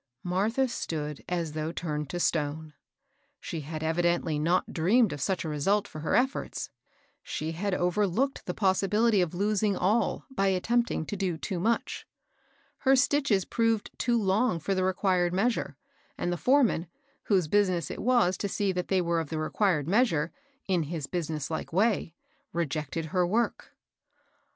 Martha stood as though turned to stone. She had evidently not dreamed of such a result for her efforts, — she had overlooked the possibility of losing all by attempting to do too much. Her stitches proved too long for the required measure, and the foreman, whose business it was to see that they were of the required measure, in his business hke way, rejected her work.